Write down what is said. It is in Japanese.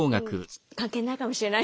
関係ないかもしれないですね。